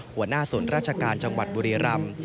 หัวหน้าศูนย์ราชการจังหวัดบุรีรำ